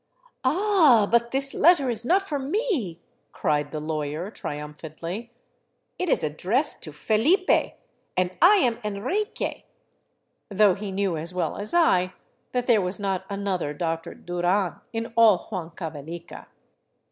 " Ah, but this letter is not for me," cried the lawyer triumphantly, " it is addressed to Felipe, and I am Enrique *'— though he knew as well as I that there was not another Dr. Duran in all Huancavelica.